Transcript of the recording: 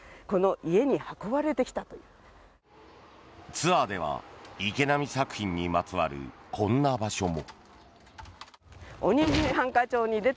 ツアーでは池波作品にまつわるこんな場所も。